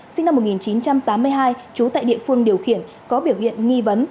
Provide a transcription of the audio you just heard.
sinh năm một nghìn chín trăm tám mươi hai trú tại địa phương điều khiển có biểu hiện nghi vấn